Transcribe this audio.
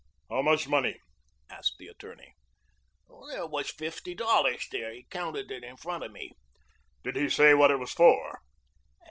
"How much money?" asked the attorney. "There was fifty dollars there. He counted it in front of me." "Did he say what it was for?"